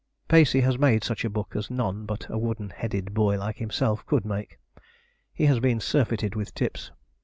Pacey has made such a book as none but a wooden headed boy like himself could make. He has been surfeited with tips.